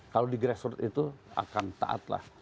kalau di grassroot itu akan taatlah